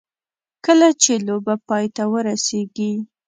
کله چې لوبه پای ته ورسېږي.